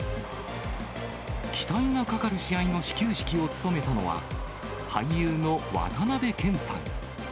期待がかかる試合の始球式を務めたのは、俳優の渡辺謙さん。